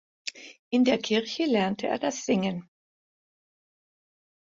In der Kirche lernte er das Singen.